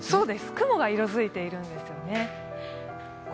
雲が色づいているんですよね。